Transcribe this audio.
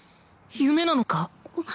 夢なのか？